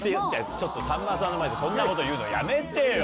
ちょっとさんまさんの前でそんなこと言うのやめてよ！